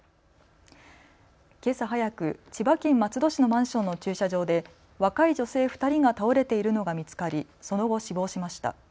けさ早く千葉県松戸市のマンションの駐車場で若い女性２人が倒れているのが見つかり、その後死亡しました。